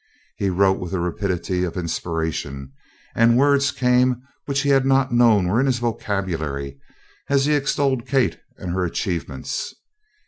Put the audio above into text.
He wrote with the rapidity of inspiration, and words came which he had not known were in his vocabulary as he extolled Kate and her achievements.